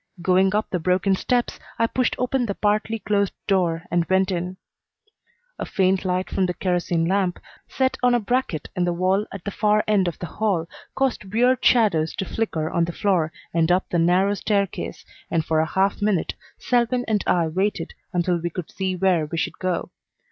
Going up the broken steps, I pushed open the partly closed door and went in. A faint light from a kerosene lamp, set on a bracket in the wall at the far end of the hall, caused weird shadows to flicker on the floor and up the narrow staircase, and for a half minute Selwyn and I waited until we could see where we should go.